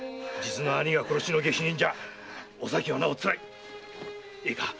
〔実の兄が殺しの下手人じゃおさきはなおつらい〕